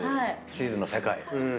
チーズの世界。